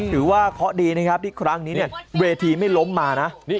ถือว่าเคราะห์ดีนะครับที่ครั้งนี้เนี่ยเวทีไม่ล้มมานะ